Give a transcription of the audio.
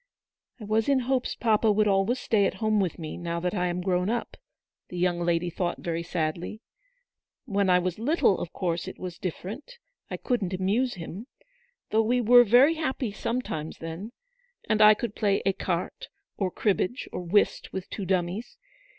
"I was in hopes papa would always stay at home with me now that I am grown up," the young lady thought very sadly. " When I was WAITING. 95 little, of course it was different ; I couldn't amuse him. Though we were very happy some times then ; and I could play ecarte, or cribbage, or whist with two dummies.